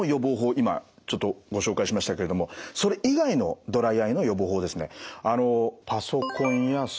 今ちょっとご紹介しましたけれどもそれ以外のドライアイの予防法ですね